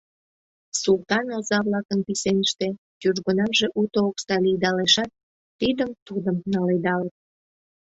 Суртан оза-влакын кӱсеныште южгунамже уто окса лийдалешат, тидым-тудым наледалыт...